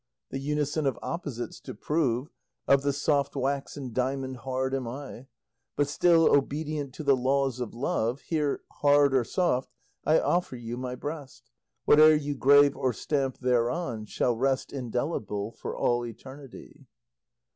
The unison of opposites to prove, Of the soft wax and diamond hard am I; But still, obedient to the laws of love, Here, hard or soft, I offer you my breast, Whate'er you grave or stamp thereon shall rest Indelible for all eternity.